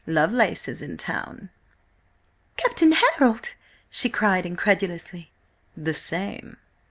Lovelace is in town." "Captain Harold?" she cried incredulously. "The same."